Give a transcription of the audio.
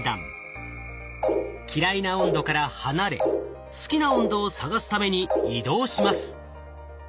嫌いな温度から離れ好きな温度を探すために移動します。